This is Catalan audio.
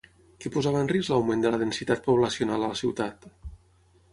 Què posava en risc l'augment de la densitat poblacional a la ciutat?